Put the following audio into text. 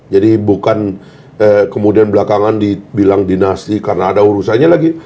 jadi bukan kemudian belakangan dibilang dinasti karena ada urusannya lagi